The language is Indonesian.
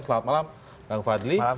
selamat malam bang fadli